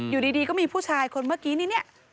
อยู่ดีก็มีผู้ชายคนเมื่อกี้นี่